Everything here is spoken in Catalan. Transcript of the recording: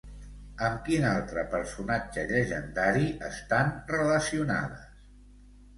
Amb quin altre personatge llegendari estan relacionades?